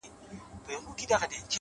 صبر د سختو ورځو ملګری دی،